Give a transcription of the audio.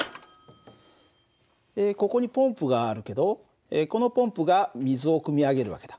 ここにポンプがあるけどこのポンプが水をくみ上げる訳だ。